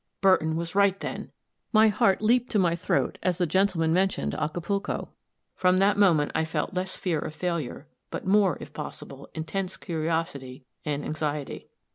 Burton was right, then! My heart leaped to my throat as the gentleman mentioned Acapulco. From that moment I felt less fear of failure, but more, if possible, intense curiosity and anxiety.